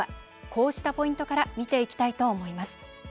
こうしたポイントから見ていきたいと思います。